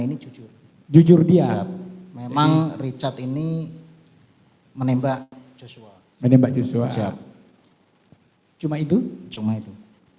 ini jujur jujur dia memang richard ini menembak joshua menembak joshua hai cuma itu